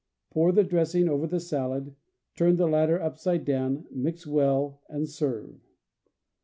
Pour the dressing over the salad, turn the latter upside down, mix well and serve.